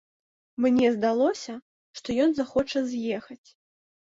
Мне здалося, што ён захоча з'ехаць.